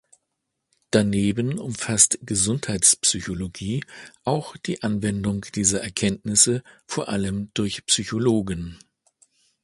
Daneben umfasst Gesundheitspsychologie auch die Anwendung dieser Erkenntnisse, vor allem durch Psychologen.